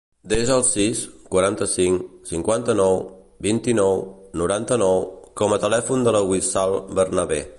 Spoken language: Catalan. Desa el sis, quaranta-cinc, cinquanta-nou, vint-i-nou, noranta-nou com a telèfon de la Wissal Bernabe.